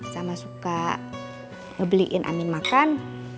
sama suka ngebeliin amin makan